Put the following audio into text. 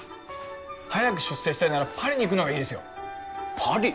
早く出世したいならパリに行くのがいいですよパリ！？